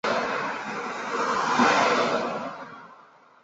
每个球队都会与之前另一小组中未交手的球队竞争一次。